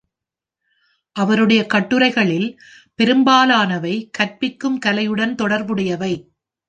அவருடைய கட்டுரைகளில் பெரும்பாலானவை கற்பிக்கும் கலையுடன் தொடர்புடையவை.